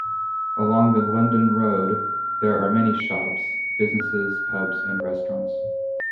Along the London Road there are many shops, businesses, pubs, and restaurants.